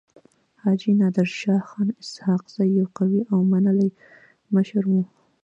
حاجي نادر شاه خان اسحق زی يو قوي او منلی مشر وو.